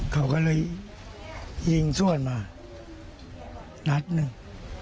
เขาก็เลยยิงสวนมานัดหนึ่ง